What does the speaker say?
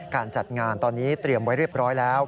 การจัดงานตอนนี้เตรียมไว้เรียบร้อยแล้ว